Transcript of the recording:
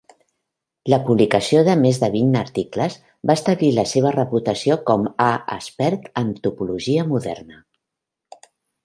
La publicació de més de vint articles va establir la seva reputació com a "expert en topologia moderna".